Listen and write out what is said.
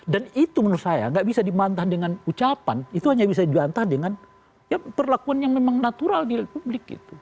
dan itu menurut saya gak bisa dimantah dengan ucapan itu hanya bisa dimantah dengan ya perlakuan yang memang natural di publik gitu